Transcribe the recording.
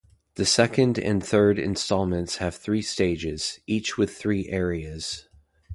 The second and third installments have three stages, each with three areas.